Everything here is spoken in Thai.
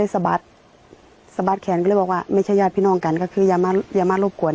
สะบาดแขนก็เลยบอกว่าไม่ใช่ยาเท่าน้องกันก็คือยังมารอบกวน